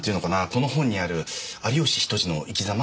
この本にある有吉比登治の生きざま？